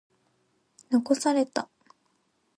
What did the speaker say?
残された。